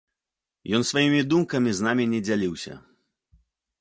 Ён сваімі думкамі з намі не дзяліўся.